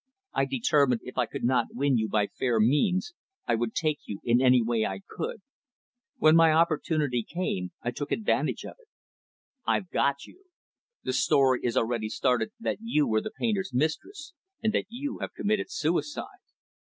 I determined if I could not win you by fair means, I would take you in any way I could. When my opportunity came, I took advantage of it. I've got you. The story is already started that you were the painter's mistress, and that you have committed suicide.